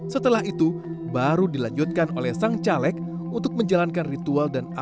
setelah itu baru dilanjutkan oleh sang caleg untuk menjalankan ritual dan acara